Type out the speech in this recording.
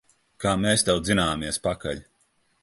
Kā mēs tev dzināmies pakaļ!